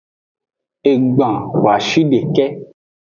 Egban hoashideka.